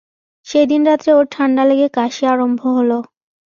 সেইদিন রাত্রে ওর ঠাণ্ডা লেগে কাশি আরম্ভ হল।